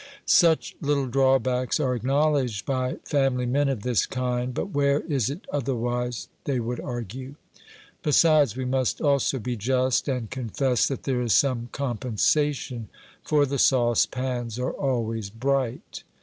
Such little drawbacks are acknowledged by family men of this kind, but where is it otherwise, they would argue? Besides, we must also be just, and confess that there is some compensation, for the saucepans are always bright.